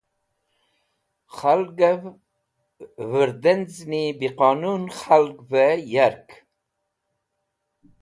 Khalgẽv vẽrdenz̃ni bi qonun khalgvẽ yark.